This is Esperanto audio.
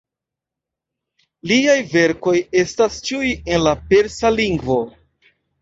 Liaj verkoj estas ĉiuj en la persa lingvo.